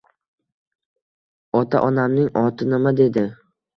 Ota, onamning oti nima? — dedi.